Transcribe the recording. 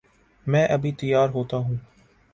میں ابھی تیار ہو تاہوں